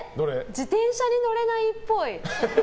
自転車に乗れないっぽい。